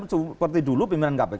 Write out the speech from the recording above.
seperti dulu pimpinan kpk